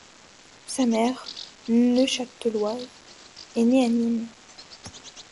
Sa mère, Neuchâteloise, est née à Nîmes.